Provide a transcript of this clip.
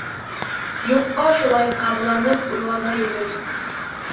Юҡҡа шулай ҡабаланып уйланы егет.